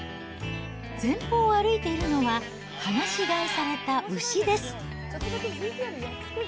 前方を歩いているのは、放し飼いされた牛です。